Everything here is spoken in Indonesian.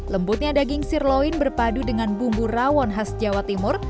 lembutnya daging sirloin berpadu dengan bumbu rawon khas jawa timur